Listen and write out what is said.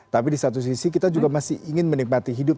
tapi di satu sisi kita juga masih ingin menikmati hidup